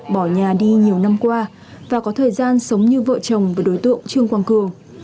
bỏ nhà đi nhiều năm qua và có thời gian sống như vợ chồng với đối tượng trương quang cường